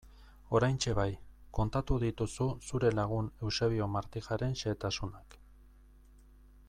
Oraintxe bai, kontatu dituzu zure lagun Eusebio Martijaren xehetasunak...